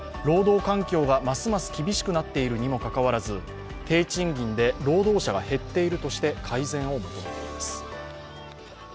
労働環境がますます厳しくなっているにもかかわらず低賃金で労働者が減っているとして改善を求めています。